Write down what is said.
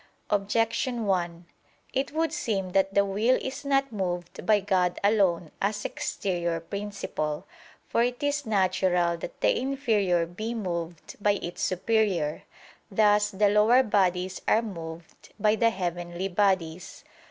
Objection 1: It would seem that the will is not moved by God alone as exterior principle. For it is natural that the inferior be moved by its superior: thus the lower bodies are moved by the heavenly bodies.